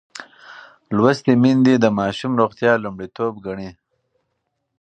لوستې میندې د ماشوم روغتیا لومړیتوب ګڼي.